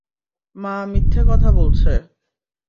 মা মিথ্যে কথা বলছে।